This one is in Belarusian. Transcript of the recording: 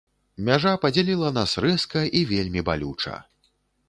Мяжа падзяліла нас рэзка і вельмі балюча.